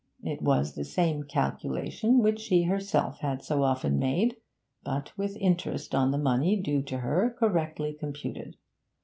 It was the same calculation which she herself had so often made, but with interest on the money due to her correctly computed.